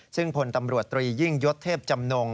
ซึ่งพลตำรวจตรียิ่งยศเทพจำนง